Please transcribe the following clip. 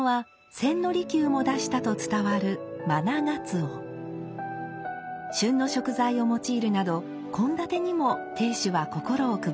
旬の食材を用いるなど献立にも亭主は心を配ります。